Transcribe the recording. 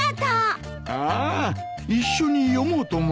ああ一緒に読もうと思ってな。